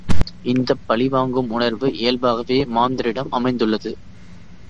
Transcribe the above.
இந்தப் பழிவாங்கும் உணர்வு இயல்பாகவே மாந்தரிடம் அமைந்துள்ளது.